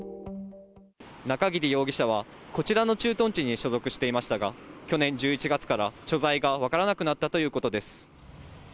中桐容疑者はこちらの駐屯地に所属していましたが去年１１月から、所在が分からなくなったということです。